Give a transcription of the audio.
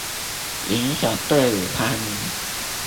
影響隊伍排名